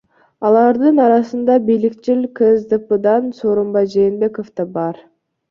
Алардын арасында бийликчил КСДПдан Сооронбай Жээнбеков да бар.